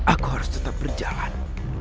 aku harus tetap berjalan